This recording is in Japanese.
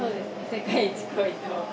世界一濃いと。